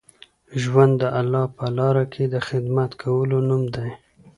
ژوند د الله په لاره کي د خدمت کولو نوم دی.